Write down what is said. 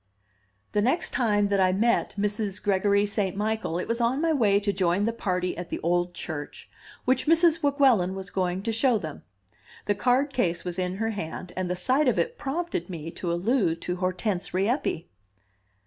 The next time that I met Mrs. Gregory St. Michael it was on my way to join the party at the old church, which Mrs. Weguelin was going to show them. The card case was in her hand, and the sight of it prompted me to allude to Hortense Rieppe.